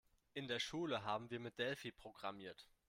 In der Schule haben wir mit Delphi programmiert.